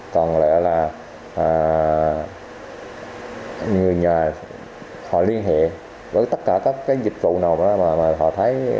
còn lại là người nhà họ liên hệ với tất cả các dịch vụ nào đó mà họ thấy